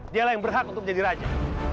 dialah yang berhak untuk menjadi raja